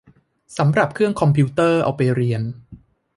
สำหรับเครื่องคอมพิวเตอร์เอาไปเรียน